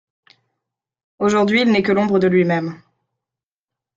Aujourd'hui, il n'est que l'ombre de lui-même.